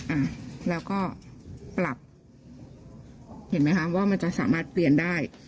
อ่ะแล้วก็ปรับเห็นไหมคะว่ามันจะสามารถเปลี่ยนได้